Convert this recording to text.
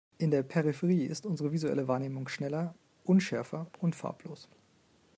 In der Peripherie ist unsere visuelle Wahrnehmung schneller, unschärfer und farblos.